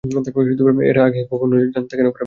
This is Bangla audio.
এটা আগে কখনো জানতে কেন পারিনি?